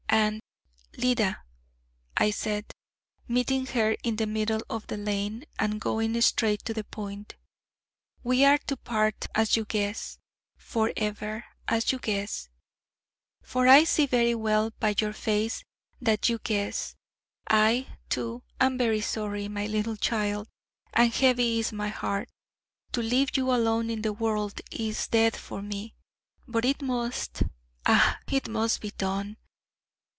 And 'Leda,' I said, meeting her in the middle of the lane, and going straight to the point, 'we are to part, as you guess for ever, as you guess for I see very well by your face that you guess. I, too, am very sorry, my little child, and heavy is my heart. To leave you ... alone ... in the world ... is death for me. But it must, ah it must, be done.'